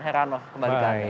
heranos kembali ke anda